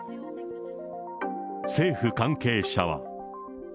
政府関係者は。